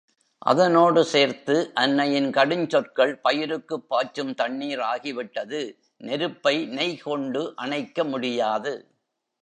அதனோடு சேர்த்து அன்னையின் கடுஞ்சொற்கள் பயிருக்குப் பாய்ச்சும் தண்ணீர் ஆகிவிட்டது. நெருப்பை நெய்கொண்டு அணைக்க முடியாது.